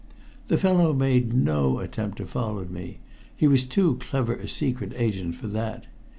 The fellow made no attempt to follow me he was too clever a secret agent for that.